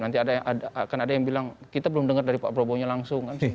nanti akan ada yang bilang kita belum dengar dari pak prabowo nya langsung